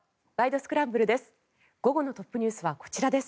スクランブル」です。